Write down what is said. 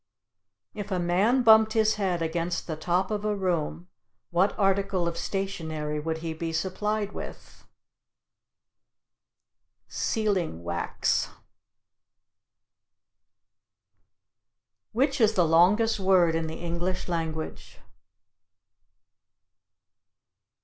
If a man bumped his head against the top of a room, what article of stationery would he be supplied with? Ceiling whacks. (Sealing wax.) Which is the longest word in the English language?